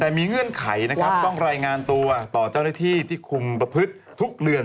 แต่มีเงื่อนไขนะครับต้องรายงานตัวต่อเจ้าหน้าที่ที่คุมประพฤติทุกเรือน